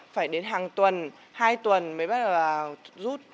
phải đến hàng tuần hai tuần mới bắt đầu rút